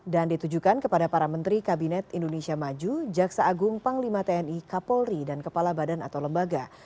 dan ditujukan kepada para menteri kabinet indonesia maju jaksa agung panglima tni kapolri dan kepala badan atau lembaga